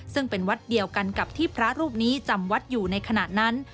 ซึ่งเป็นวัดเดียวกันกับที่พระรูปนี้จำวัดอยู่ในขณะนั้น